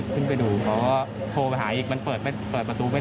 เคาะแต่ไม่มีคนเปิดให้